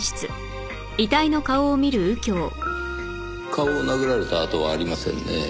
顔を殴られた痕はありませんねぇ。